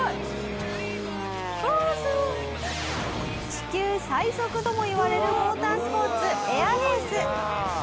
地球最速ともいわれるモータースポーツエアレース。